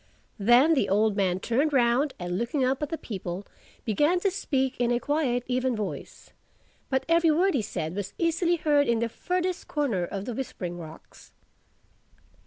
Then the old man turned round and looking up at the people began to speak in a quiet even voice; but every word he said was easily heard in the furthest corner of the Whispering Rocks.